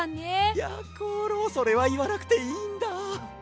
やころそれはいわなくていいんだ。